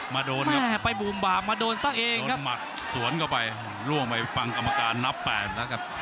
มาโดนครับโดนมัดสวนเข้าไปร่วงไปฟังกรรมการนับแปดแล้วครับ